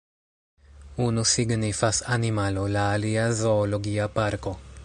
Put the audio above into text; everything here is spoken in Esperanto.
Unu signifas ”animalo”, la alia ”zoologia parko”.